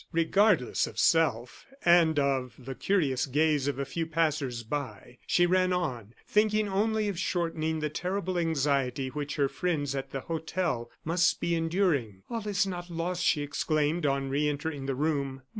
Regardless of self, and of the curious gaze of a few passers by, she ran on, thinking only of shortening the terrible anxiety which her friends at the hotel must be enduring. "All is not lost!" she exclaimed, on re entering the room.